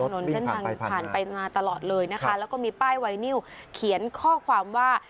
ถนนเส้นทางผ่านไปมาตลอดเลยนะคะแล้วก็มีป้ายไวนิวเขียนข้อความว่า